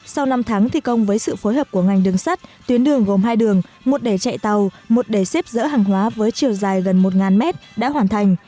sau năm tháng thi công với sự phối hợp của ngành đường sắt tuyến đường gồm hai đường một đẩy chạy tàu một đề xếp dỡ hàng hóa với chiều dài gần một mét đã hoàn thành